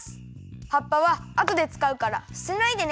葉っぱはあとでつかうからすてないでね。